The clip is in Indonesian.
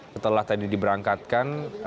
setelah tadi diberangkatkan